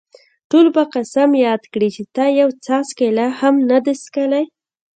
ټول به قسم یاد کړي چې تا یو څاڅکی لا هم نه دی څښلی.